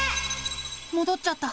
もどっちゃった。